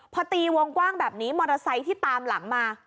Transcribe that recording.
พอตีวงกว้างแบบนี้มอเตอร์ไซค์ที่ตามหลังมา